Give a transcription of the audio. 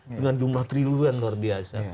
dengan jumlah triliun luar biasa